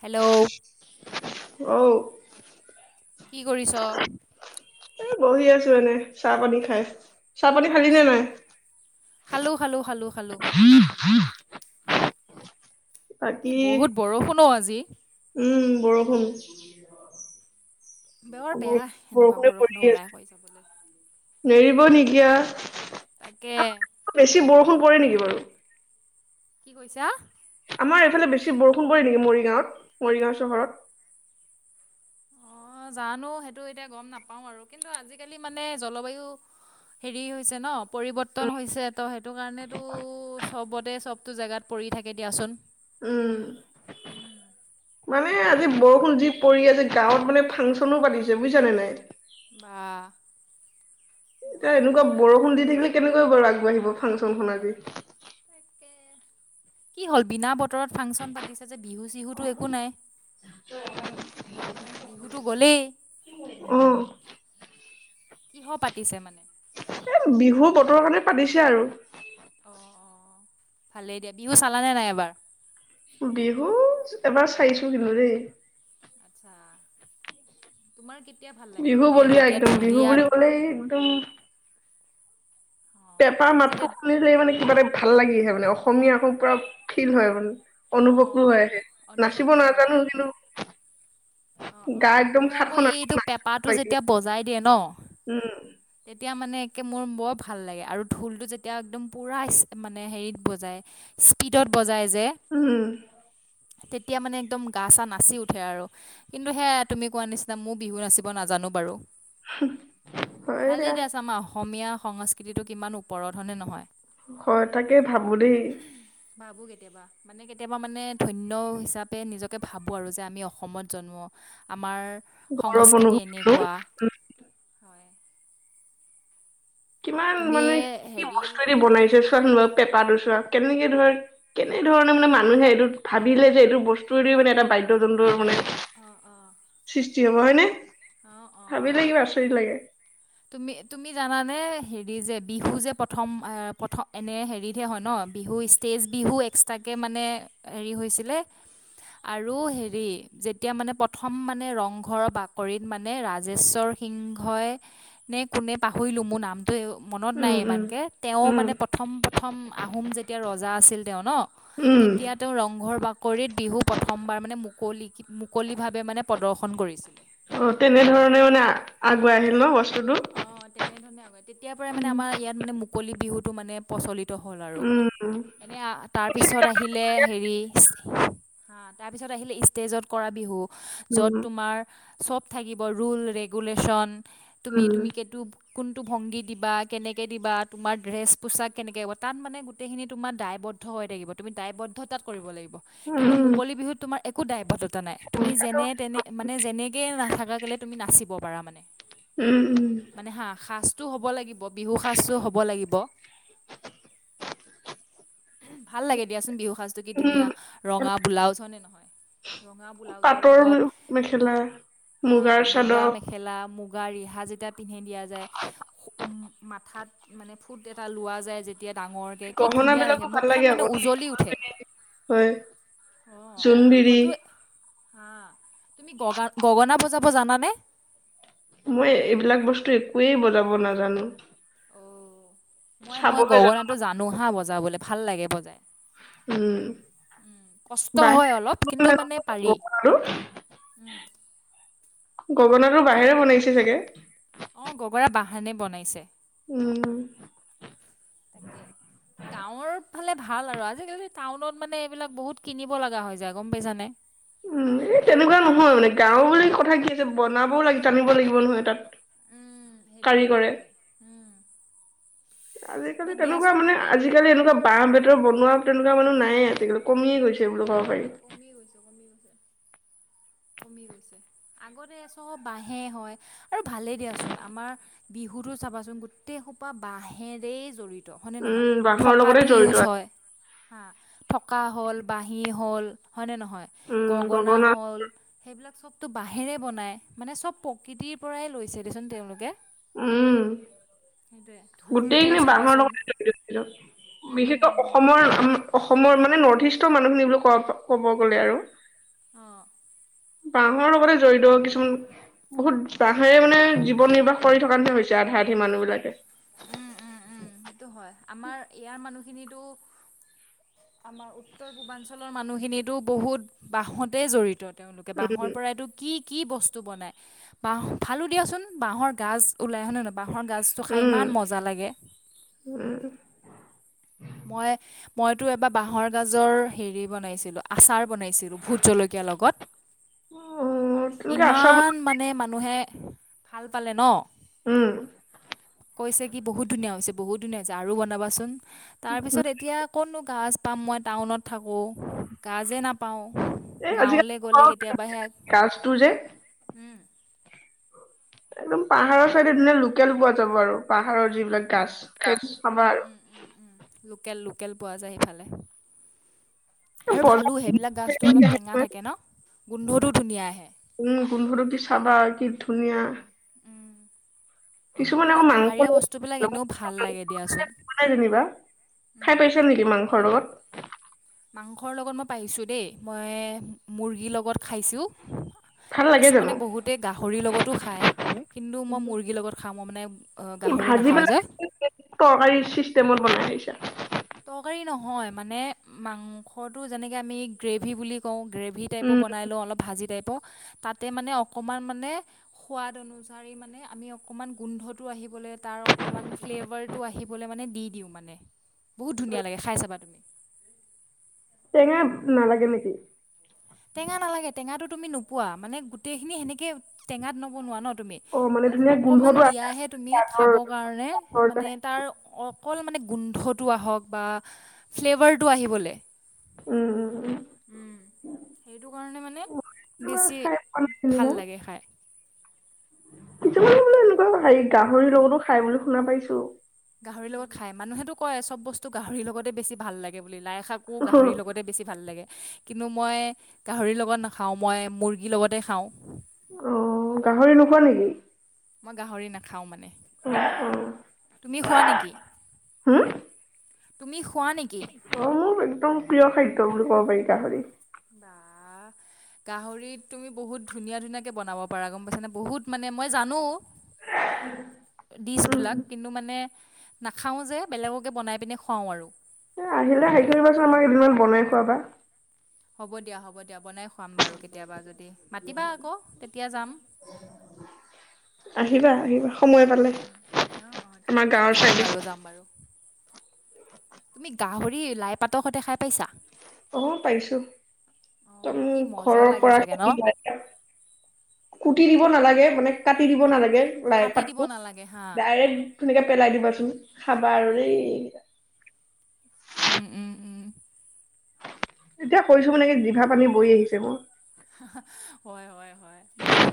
Hello অ কি কৰিছ। এ বহি আছো চাহ পানী খায় চাহ পানী খালি নে নাই? খালোঁ। খালোঁ খালোঁ খালো। [inaudible] বহুত বৰষুণো আজি [inaudible] উম বৰষুণ। বৰ আমাৰ বেয়া এনেকুৱা বৰষুণে পৰি বৰষুণো ওলাই হয় দিব নেকিয়া। তাকে। [inaudible] কি কৈছা? আমাৰ এইফালে বেছি বৰষুণ পৰি নেকি মৰিগাঁৱত মৰিগাঁও চহৰত। অ জানো সেইটো এতিয়া গম নাপাও আৰু কিন্তু আজিকালি মানে জলবায়ু হেৰি হৈছে ন পৰিৱৰ্তন হৈছে ত সেইটো কাৰণেতো চবতে চবতো জোগাত পৰি থাকে দিয়াচোন। উম উম [inaudible] মানে আজি বৰষুণ যি পৰি আছে গাঁৱত মানে ফাংচনো পাতিছে বুজছা নে নাই। বা। এতিয়া বঢ়িয়া এনেকুৱা বৰষুণ দি থাকিলে। কেনেকৈ বাৰু আগবাঢ়িব ফাংচনখন আজি। কি হ'ল বিনা ব অবতৰত ফাংচন পাতিছে যে বিহু চিহুতো একো নাই বিহুতো গলেই। কিহ পাতিছে মানে এ বিহু বতৰ কাৰণে। পাতিছে আৰু। অ অ ভালেই দিয়া বিহু চালানে নাই এবাৰ? বিহু এবাৰ চাইছো কিন্তু দেই। আছা তোমাৰ ভাল লাগে বিহু মানে বিয়া যেতিয়া একদম বিহু ঢুলীয়াত বুলি ক'লেই একদম অ পেঁপা এই মাতটো যেতিয়া খুলিলেই মানে কিবা এটা ভাল লাগিহে মানে অসমীয়াকৌ পূৰা ফিল হয় মানে অ অনুভকো অ হৈ আহে। নাচিব অনুভৱটো হৈ নাজানো আহে কিন্তু অ', গা অ', একদম মোৰ আকৌ সাতখন আঠখন এইটো নাচিব পেপাটো লাগিলে যেতিয়া বজাই দিয়ে ন উম তেতিয়া মানে তাকে মোৰ বৰ ভাল লাগে আৰু ঢোলটো যেতিয়া একদম পুৰা মানে হেৰিত বজাই স্পীডত বজাই যায় যে উম তেতিয়া মানে একদম গা চা নাচি উঠে আৰু কিন্তু সেয়া তুমি কোৱা নিচিনা মোৰ বিহু নচিব নাজানো বাৰু। হয় ভালে দিয়া। দিয়াচোন আমাৰ অসমীয়া সংস্কৃতিটোক ইমান ওপৰত হয়নে নহয়। হয় তাকেই ভাবো দেই। ভাবো কেতিয়াবা মানে কেতিয়াবা মানে ধন্য হিচাপে নিজকে ভাবো আৰু যে আমি অসমত প্ৰজন্ম আমাৰ গৌৰৱ সংস্কৃতি অনুভৱ কৰো এনেকুৱা কিমান তুমি মানে কি হেৰি বস্তু এৰি বনাইছে চোৱা বাৰু। পেঁপাটো ছোৱা কেনেকে ধৰ কেনেধৰণে মানে মানুহে এইটো ভাবিলে যে এইটো বস্তুে মানে এটা বাদ্য যন্ত্ৰ মানে সৃষ্টি হ'ব হয় নে? অ', অ', অ', তুমি তুমি জানানে হেৰি বিহু যে প্ৰথম অঁ এনেই হেৰিত হে হয় ন, বিহু ষ্টেজ বিহু এক্সট্ৰকে মানে হেৰি হৈছিলে আৰু হেৰি যেতিয়া মানে প্ৰথম মানে ৰং ঘৰ বাক কৰিত মানে ৰাজেশ্বৰ সিংহই নে কোনে পাহৰিলো মোৰ নাম টো মনত নাই উম উম ইমানকে তেওঁ উম মানে প্ৰথম প্ৰথম আহোম যেতিয়া ৰজা আছিল তেওঁ ন উম তেতিয়া তেওঁ ৰংঘৰ বাকৰিত বিহু প্ৰথমবাৰ মানে মুকলি মুকলিভাৱে মানে প্ৰদৰ্শন কৰিছিলে। অ তেনেধৰণে মানে আগুৱাই আহিল ন বস্ত অ তেনেধৰণে। [unintelligible] তেতিয়া পৰাই মানে আমাৰ ইয়াত মানে মুকলি বিহুতটো মানে প্ৰচলিত হ'ল আৰু উম উম এনে তাৰপিছত আহিলে হেৰি হা তাৰপিছত আহিলে ষ্টেজত কৰা বিহু য'ত উম তোমাৰ চব থাকিব ৰুল ৰেগুলেশচন তুমি উম তুমিকেটো কোনটো ভংগী দিবা কেনেকে দিবা তোমাৰ ড্ৰেছ পোছাক কেনেকে হব তাত মানে গোটেইখিনি তোমাৰ দায়বদ্ধ হৈ থাকিব তুমি দায়বদ্ধ তাত কৰিব লাগিব। কিন্তু উম মুকলি বিহুত তোমাৰ এক একো দায়বদ্ধতা নাই, তুমি যেনে তেনে মানে যেনেকে নাথাকা কেলে তুমি নাচিব পাৰা মানে। উম। মানে সাজটো হব লাগিব বিহু সাজটো হব লাগিব, ভাল লাগে দিয়াচোন বিহু সাজটো কি উম ধুনীয়া! ৰঙা ব্লাউজ হয় নে নহয়? ৰঙা ব্লাউজৰ পাটৰ লগত মেখেলা হা মুগাৰ মুগা চাদৰ মেখেলা মুগ মুগা ৰিহা যেতিয়া পিন্ধি দিয়া যায় মাথাত মানে ফুট এটা লোৱা যায় যেতিয়া ডাঙৰকে কি গহনা ধুনীয়া বিলাকো দেখে, ভাল মুখখন লাগে মানে আকৌ দেই উজলি উঠে, খোলবিৰি, হয় অ জোনবিৰি মইতো হা তুমি গগা গগনা বজাব জানানে? মই এইবিলাক বস্তু একোৱেই বজাব নাজানো। অ মই মই গগনাটো জানো হা বজাব। জাবলে ভাল লাগে বজাই। উম, কষ্ট হয় বাহ অলপ কিন্তু মানে পাৰি আৰু [unintelligible] গগনাতো বাহেৰে বনাইছে চাগে। অৱ গগনা বাহেৰে বনাইছে। উম তাকে গাঁৱৰ সেইফালে ভাল আৰু আজিকালি টাউনত মানে এইবিলাক বহুত কিনিব লগা হৈ যায় গম পাইছানে। উম এই তেনেকুৱা নহয় মানে গাঁও মানে কথা কি আছে বনাবও জানিব লাগিব নহয় তাত। উম সেইটোৱে কাৰিকৰে সেইটোৱে উম আজিকালি বাট তেনেকুৱা দিয়াচোন মানে তুমি আজিকালি এনেকুৱা বাঁহ বেতৰ বনোৱা তেনেকুৱা মানুহ নাই। সেয়ে আজি কালি কমিয়ে গৈছে বোলো কওক। কমি গৈছে। আগতে চব বাঁহে হয় আৰু ভালেই দিয়াচোন আমাৰ বিহুতো চাবাচোন গোটেই সোপা বাঁহেৰে জৰিত তু হয়নে নহয় উম বাঁহৰ লগতে থকাতু জড়িত ইউজ হয় থকা হ'ল। বাঁহী হ'ল। হয় নে নহয়? গগনা হ'ল সেইবিলাক চবতো বাঁহেৰে বনাই, মানে চ'ব প্ৰকৃতিৰ পৰাই লৈছে দেচোন তেওঁলোকে। সেইটোৱে উম ঢোলটো গোটেইখিনি বাহৰ চাবাচোন লগতে জড়িত, উম হুম বিশেষকৈ হুম অসমৰ ওম অস সমৰ মানে নৰ্থ ইষ্টৰ মানুহখিনি কব ক'ব গ'লে আৰু অঁ। বাঁহৰ লগতে জড়িত, কিছুমান বহুত বাঁহেৰে মানে জীৱন নিৰ্বাহ কৰি থকা নিচিনা হৈছে আধা আধি মানুহ বিলাকে। উম উম উম সেইটো হয়, আমাৰ ইয়াৰ মানুহখিনিতো আমাৰ উত্তৰ পূৰ্বাঞ্চলৰ মানুহখিনিতো বহুত বাহতে জড়িত। তেওঁলোকে বাঁহৰ উম পৰাইটো কি, কি বস্তু বনাই বাঁহ ভালো দিয়াচোন, বাঁহৰ গাজ ওলাই হয়নছ নে নহ বাঁহৰ গাজটো খাই উম ইমান মজা লাগে। উম। মই মইতো এবাৰ বাঁহৰ গাঁজৰ হেৰি বনাইছিলো আচাৰ বনাইছিলো ভূত জলকীয়াৰ লগত উম তেনেকে আচাৰ বনাই ইমান মানে মানুহে ভাল পালে ন? উম। কৈছে কি বহুত ধুনীয়া হৈছে বহুত ধুনীয়া হৈছে আৰু বনাবাচোন। তাৰ পিছত উম, এতিয়া কতনো গছ পাম মই টাউনত থাকোঁ গাজে নাপাওঁ এ আজিকালি গাঁৱলৈ গ'লে কেতিয়াবা সেয়া ক্লা তো যে একদম পাহাৰৰ চাইডে দিলে লোকেল পোৱা যাব আৰু, পাহাৰৰ যিবিলাক গাছ গাছ সেইব উম, আমাৰ উম, উম, উম, লোকেল লোকেল পোৱা যায় সেইফালে এ, আৰু ভালো বজাৰত সেইবিলাক গাছটো অলপ টেঙা কেনেকৈ থাকে ন গোন্ধটোও পুনীয়া আহে- উম গোন্ধৰো কি চাবা কি ধুনীয়া, কিছুমানে এনেও আকৌ মাংস পাহাৰীয়া বস্তুবিলাক লগ এনেও ভাল লাগে দিয়াচোন নাই যেনিবা খাই পাইছা নেকি মাংসৰ লগত মাংসৰ লগত মই পাইছোঁ দেই মই মুৰ্গীৰ লগত খাইছোঁ। ভাল লাগে কিছুমানে জানো বহুতে গাহৰি লগতো খায় কিন্তু মই মুৰ্গীৰ লগত খাওঁ মই মানে কি গাহৰি ভাজি নাখাওঁ যে পেলাই তৰকাৰী চিষ্টেমত বনাই আহিছা তৰকাৰি নহয় মানে মাংসটো যেনেকে আমি গ্ৰেভি বুলি কওঁ গ্ৰেভি টাইপো উম বনাই লওঁ অলপ ভাজি টাইক তাত তাতে মানে অকণমান মানে সোৱাদ অনুযায়ী মানে আমি অকণমান গোন্ধটো আহিবলৈ তাৰ অকমান ফ্লেভাৰটো আহিবলৈ মানে দি দিওঁ মানে। বহুত ধুনীয়া লাগে খাই চাবা তুমি। টেঙা নালাগে নেকি? টেঙা নালাগে টেঙাটো তুমি নোপোৱা মানে গোটেইখিনি সেনেকে টেঙাত নবনোৱা ন। তুমি, অ', মানে জাস্ট ধুনীয়া অকমান গোন্ধটো দিয়া আহে হে তুমি কাঠৰ খাব কাৰণে কাঠৰ যে। মানে তাৰ অ অকল মানে গোন্ধটো আহক বা ফ্লেভাৰটো আহিবলে। উম উম উম। উম সেইটো কাৰণে মানে উম। মই বেছি খাই পোৱা ভাল লাগে খাই। কিছুমান বোলো এনে হেৰি গাহৰি লগতো খাই বুলি শুনা পাইছো। গাহৰিৰ লগত খাই মানুহেতো কয় চব বস্তু গাহৰিৰ লগতে বেছি ভাল লাগে। বুলি লাই শাকো গাহৰিৰ লগতে বেছি ভাল লাগে। কিন্তু মই গাহৰি লগত নাখাও মই মুৰ্গীৰ লগতে খাও। অ', গাহৰি নোখোৱা নেকি? মই গাহৰি নাখাও মানে। অ', অ'। তুমি খোৱা নেকি? তুমি খোৱা নেকি অঁ মোৰ একদম প্ৰিয় খাদ্য! বুলি ক'ব পাৰি গাহৰি। বা গাহৰিত তুমি বহুত ধুনীয়া ধুনীয়াকে বনাব পাৰা গম পাইছানে বহুত মানে মই জানো। ডিচ উম, বিলাক কিন্তু মানে নাখাঁও যে, বেলেগকে বনাই পিনে খুৱাওঁ আৰু এ আহিলে হেৰি কৰিবাচোন আমাৰ কেইদিনমান বনাই খোৱাবা হ'ব দিয়া হ'ব দিয়া বনাই খাম বাৰু কেতিয়াবা যদি মাতিবা আকৌ তেতিয়া যাম আহিবা, আহিবা সময় পালে অ অ ঠিক আমাৰ আছে গাঁৱৰ যাম চাইডে বাৰু যাম বাৰু তুমি গাহৰি লাই পাতৰ সৈতে খাই পাইছা? অঁ পাইছো অ একদম কি মজা ঘৰৰ লাগে পৰা চাগে ন কুটি দি দ নালাগে মানে কাটি দিব নালাগে। লাই কাটি দিব পাতটো নালাগে হা ডাইৰেক্ট সেনেকে। পেলাই দিবাচোন খাবা আৰু দেই উম উম উম। এতিয়া কৈছো মানে কি জিভা পানী বৈ আহিছে মোৰ হয়, হয়, হয় মইতো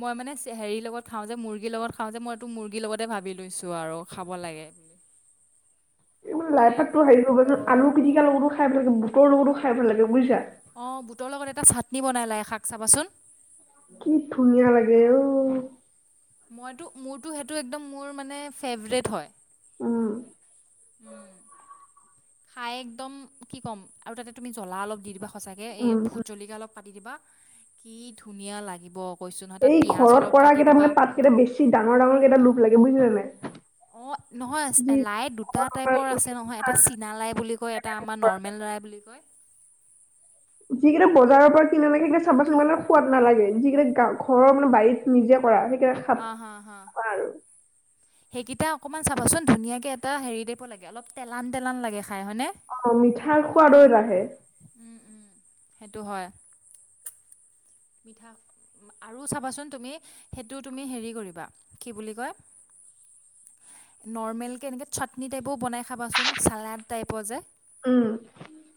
মই মানে হেৰি লগত খাওঁ যে মুৰ্গীৰ লগত খাওঁ যে মইতটো মুৰ্গীৰ লগতে ভাবি লৈছো আৰু খাব লাগে বুলি। লাই মানে পাততো হেৰি কৰিবচোন আলু পিটিকী লগতো খাব লাগে বুটৰ লগতো খাই লাগে বুজিছা নিবনাই লাই শাক চাবাচোন কি ধুনীয়া লাগে অঁ মইটো মোৰটো সেইটো একদম মোৰ মানে ফেভৰেট হয়। উম। উম খাই একদম কি ক'ম আৰু তাতে তুমি জ্বলা অলপ দি দিবা। সঁচাকৈ এই উম ভুট জলকীয়া অলপ পাতি দিবা। কি ধুনীয়া লাগিব। কৈছোঁ নহয় তাত এই পিঁয়াজ ঘৰত অলপ কৰা কাটি কেইটা দিবা মানে পাতকেইটা বেছি ডাঙৰ ডাঙৰ কেইটা লোভ লাগে। বুজিছা না নাই। অঁ যি নহয় লাই দুটা টাইপৰ আছে নহয় এটা চীনা লাই বুলি কয় এটা আমাৰ নৰ্মেল লাই বুলি কয়। যিকেইটা বজাৰৰ পৰা কিনা লাই সেইকেইচা চাবা চোন মানে সোৱাদ নালাগে যিকেইটা ঘৰ মানে বাৰী নিজে কৰা সেই অঁ হাঁ হাঁ সেইকেইটা অকমান চাবাচোন ধুনীয়াকে এটা হেৰি দিব লাগে অলপ তেলান তেলান লাগে খাই হয় নে! অঁ মিঠাই খোৱাদৈ ৰাে উম উম সেইটো হয়। আৰু চাবাচোন তুমি সেইটো তুমি হেৰি কৰিবা কি বুলি কয় নৰমেল কে এনেকে চাটনি টাইপ বনাই খাবাচোন চালাট টাইপৰ যে উম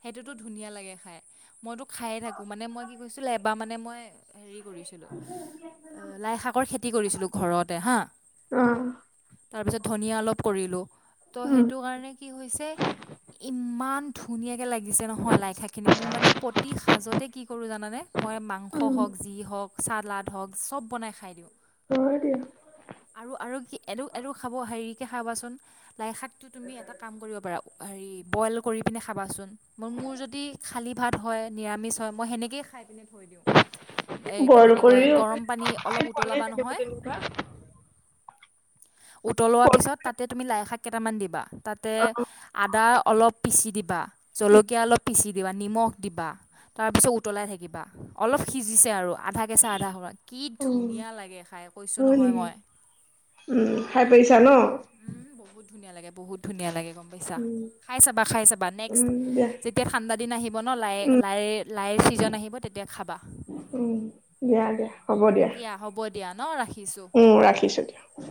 সেইটোতো ধুনীয়া লাগে খাই মইতো খায়ে থাকো মানে মই কি কৈছিলো এবাৰ মানে মই হেৰি কৰিছিলো লাই শাকৰ খেতি কৰিছিলো ঘৰতে হা তাৰপিছত ধনিয়া অলপ কৰিলো ত' উম সেইটো কাৰণে কি হৈছে, ইমান ধুনীয়াকে লাগিছে নহয় লাইশাকখিনি। মোৰ মানে প্ৰতি সাজতে কি কৰোঁ জানানে? মই মাং- স উম হ'ক, যি হ'ক, চালাদ হ'ক, চব বনাই খাই দিওঁ। হয় দিয়া আৰু আৰু কি এইটো এইটো খাব, হেৰিকে খাবাচোন। লাইশাকটো তুমি এটা কাম কৰিব পাৰা হেৰি, বইল কৰিপিনে খাবাচোন। মৰ মোৰ যদি খালী ভাত হয়, নিৰামিষ- হয়, মই সেনেকে খাইপিনে থৈ দিওঁ। এই কি বইল বুলি কয়, কৰিও গৰম পানী অলপ উম হয় উতলোবা নহয়। নেকি উতলোৱাৰ পিছত তাতে তুমি লাইশাক কেইটামান দিবা। তাতে আদা অলপ পিছি দিবা, জলকীয়া অলপ পিচি- দিবা, নিমখ দিবা। তাৰপিছত উতলাই থাকিবা। অলপ সিজিছে আৰু। আধা কেঁচা আধা হৰা। কি ধুনীয়া লাগে খাই, কৈছোঁ নহয় মই। উম খাই পাইছা ন উম, বহুত ধুনীয়া লাগে, বহু ধুনীয়া লাগে। গম পাইছা। উম খাই চাবা, খাই চাবা। উম নেক্সট দিয়া যেতিয়া ঠাণ্ডা দিন আহিব ন, লাই উম লাই লাই চিজন আহিব তেতিয়া খাবা। দিয়া দিয়া উম, হ'ব দিয়া হ'ব- দিয়া ন ৰাখি- উম, ৰাখিছোঁ দিয়া।